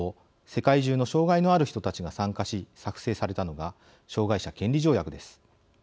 世界中の障害のある人たちが参加し作成されたのが障害者権利条約です。